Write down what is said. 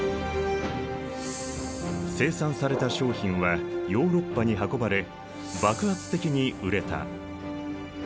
生産された商品はヨーロッパに運ばれ爆発的に売れた。